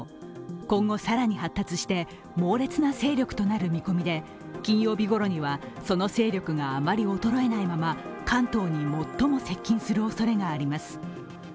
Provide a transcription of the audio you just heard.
今後更に発達して猛烈な勢力となる見込みで金曜日頃にはその勢力があまり衰えないまま関東に最も接近するおそれがあります。